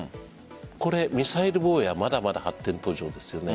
これ、ミサイル防衛はまだまだ発展途上ですよね。